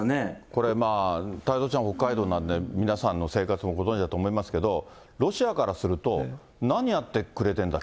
これ、太蔵ちゃん、北海道なんで、皆さんの生活もご存じだと思いますけど、ロシアからすると、何やってくれてんだ？